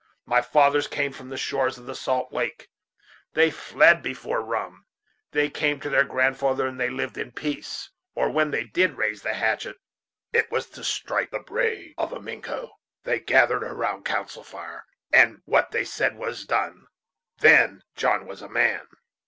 My fathers came from the shores of the salt lake. They fled before rum. They came to their grandfather, and they lived in peace; or, when they did raise the hatchet, it was to strike it into the brain of a Mingo. They gathered around the council fire, and what they said was done. Then John was a man.